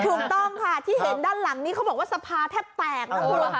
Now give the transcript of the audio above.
ถูกต้องค่ะที่เห็นด้านหลังนี้เขาบอกว่าสภาแทบแตกนะคุณ